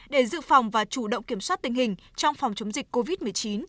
để dự phòng và chủ động kiểm soát tình hình trong phòng chống dịch covid một mươi chín